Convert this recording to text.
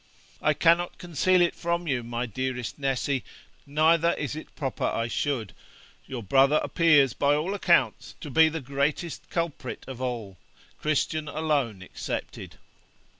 'I cannot conceal it from you, my dearest Nessy, neither is it proper I should your brother appears, by all accounts, to be the greatest culprit of all, Christian alone excepted.